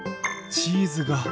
チーズが。